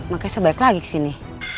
makanya sebaik lagi kesini